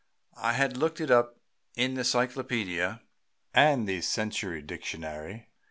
I had looked it up in the cyclopedia and the Century dictionary.